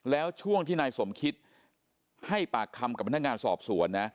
แล้วช่วงที่นายสมคิตให้ปากคำกับพนักงานสอบสวนนะ